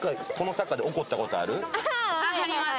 あります。